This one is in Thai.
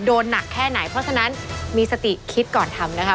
โดนหนักแค่ไหนเพราะฉะนั้นมีสติคิดก่อนทำนะคะ